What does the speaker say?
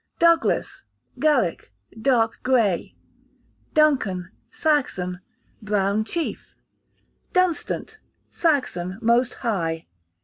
Douglas, Gaelic, dark grey. Duncan, Saxon, brown chief. Dunstan, Saxon, most high.